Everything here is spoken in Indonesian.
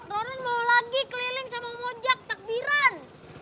ron ron mau lagi keliling sama om ojak takbiran